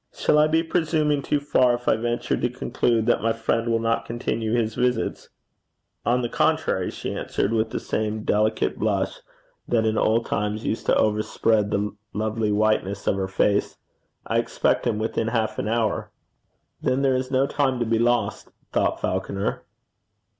'Shall I be presuming too far if I venture to conclude that my friend will not continue his visits?' 'On the contrary,' she answered, with the same delicate blush that in old times used to overspread the lovely whiteness of her face, 'I expect him within half an hour.' 'Then there is no time to be lost,' thought Falconer.